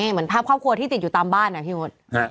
เหมือนภาพครอบครัวที่ติดอยู่ตามบ้านนะพี่มด